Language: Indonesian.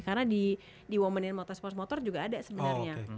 karena di women in motorsports motor juga ada sebenarnya